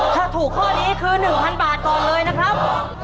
ถ้าถูกข้อนี้คือ๑๐๐บาทก่อนเลยนะครับ